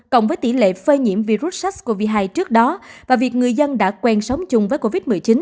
cộng với tỷ lệ phơi nhiễm virus sars cov hai trước đó và việc người dân đã quen sống chung với covid một mươi chín